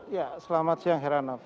ya selamat siang heranov